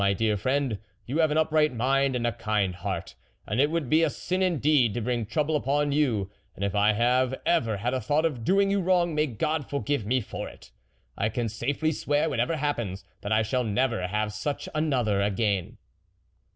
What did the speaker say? my dear friend, you have an upright mind and a kind heart, and it would be a sin indeed to bring trouble upon you ; and if I have ever had a thought of doing you wrong, may God forgive me for it ! I can safely swear, whatever happens, that I shall never have such another again."